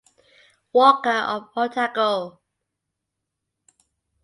Walker of Otago.